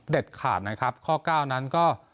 ขาดนะครับข้อเก้านั้นก็